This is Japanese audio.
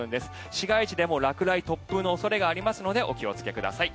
市街地でも落雷、突風の恐れがありますのでお気をつけください。